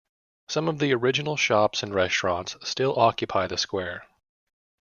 Some of the original shops and restaurants still occupy the square.